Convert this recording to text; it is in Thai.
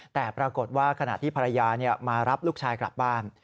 แต่ปรากฏว่าขณะที่ภรรยามารับลูกชายกลับบ้าน